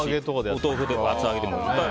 お豆腐でも厚揚げでも。